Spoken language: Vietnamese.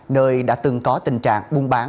nơi đã từng có tình trạng buôn bán